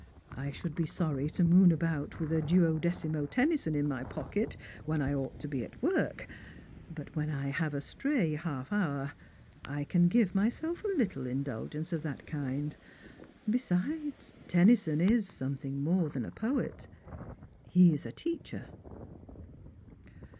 I should be sorry to moon about with a duodecimo Tennyson in my pocket when I ou^ht to be at work ; but when I have a stray half hour, I can give myself a little indulgence of that kind. Besides, Tennyson is something more than a poet. He is a teacher."